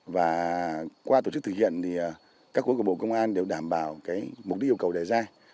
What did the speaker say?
và qua tổ chức thực hiện thì các khối của bộ công an đều đảm bảo mục đích yêu cầu đề ra